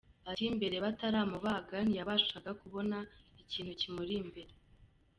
Ati “ Mbere bataramubaga, ntiyabashaga kubona ikintu kimuri imbere.